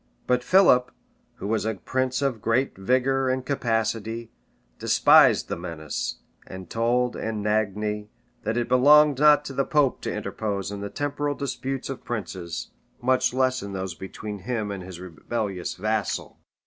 But Philip, who was a prince of great vigor and capacity, despised the menace, and told Anagni, that it belonged not to the pope to interpose in the temporal disputes of princes, much less in those between him and his rebellious vassal.